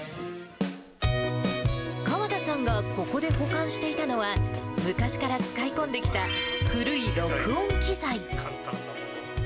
河田さんがここで保管していたのは、昔から使い込んできた古い録音機材。